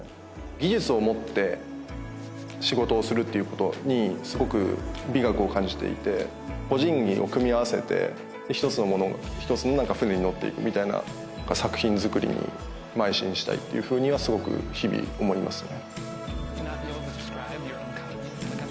技術を持って仕事をするっていうことにすごく美学を感じていて個人技を組み合わせてひとつのものをひとつのなんか船に乗っていくみたいな作品づくりにまい進したいっていうふうにはすごく日々思いますね